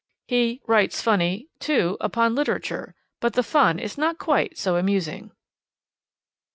He 'writes funny,' too, upon literature, but the fun is not quite so amusing.